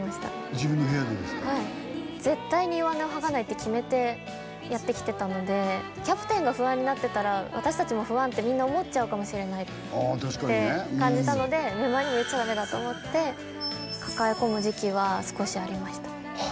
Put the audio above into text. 自分の部屋でですかはいって決めてやってきてたのでキャプテンが不安になってたら「私たちも不安」ってみんな思っちゃうかもしれないって感じたのでメンバーにも言っちゃダメだと思って抱え込む時期は少しありましたあ